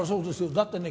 だってね